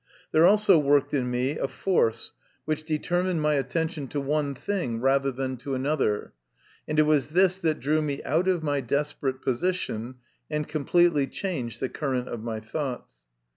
There also worked in me a force, which 77 78 MY CONFESSION. determined my attention to one thing rather than to another, and it was this that drew me out of my desperate position, and completely changed the current of my thoughts.